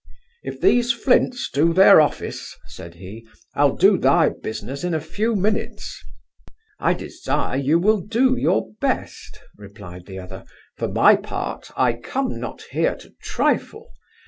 'If these flints do their office (said he) I'll do thy business in a few minutes.' 'I desire you will do your best (replied the other); for my part, I come not here to trifle.